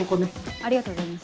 ありがとうございます。